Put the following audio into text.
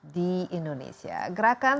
di indonesia gerakan